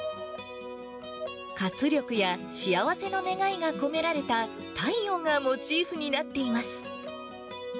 活力や幸せの願いが込められた、太陽がモチーフになっています。